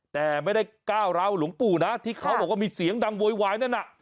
แต่ไม่ได้ก้าวร้าวหลวงปู่นะที่เขาบอกว่ามีเสียงดังโวยวายนั่นน่ะ